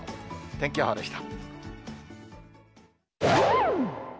天気予報でした。